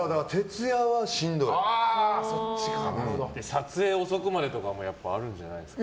撮影遅くまでとかあるんじゃないんですか。